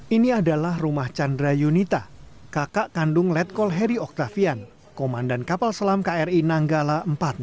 ini adalah rumah chandra yunita kakak kandung letkol heri oktavian komandan kapal selam kri nanggala empat ratus dua